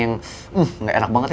yang gak enak bangetnya